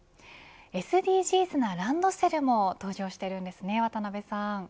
ＳＤＧｓなランドセルも登場しているんですね渡辺さん。